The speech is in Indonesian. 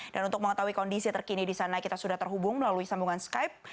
dan untuk mengetahui kondisi terkini di sana kita sudah terhubung melalui sambungan skype